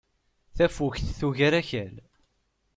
Tafukt tugar Akal.